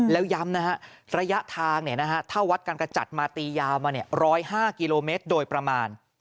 แล้วย้ำนะฮะระยะทางถ้าวัดการกระจัดมาตียาวมา๑๐๕กิโลเมตรโดยประมาณ